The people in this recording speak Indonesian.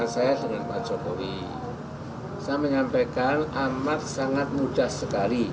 saya mengatakan amin sangat mudah sekali